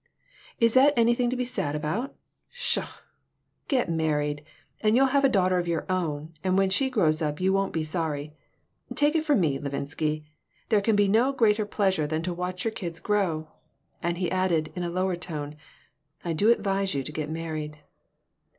"Is that anything to be sad about? Pshaw! Get married, and you'll have a daughter of your own, and when she grows up you won't be sorry. Take it from me, Levinsky. There can be no greater pleasure than to watch your kids grow." And he added, in a lower tone, "I do advise you to get married."